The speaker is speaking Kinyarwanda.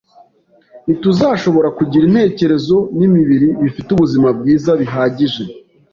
ntituzashobora kugira intekerezo n’imibiri bifite ubuzima bwiza bihagije